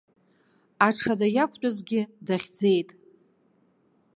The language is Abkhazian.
Аҽада иақәтәазгьы дахьӡеит.